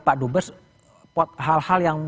pak dubes hal hal yang